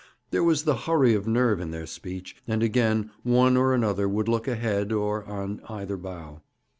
There was the hurry of nerve in their speech, and again one or another would look ahead, or on either bow.